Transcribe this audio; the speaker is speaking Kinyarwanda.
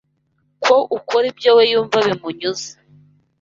ko ukora ibyo we yumva bimunyuze.